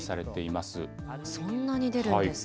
そんなに出るんですか。